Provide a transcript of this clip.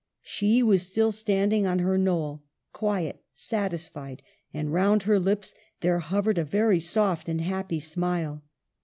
She was still standing on her knoll, quiet, satisfied ; and round her lips there hovered a very soft and happy smile.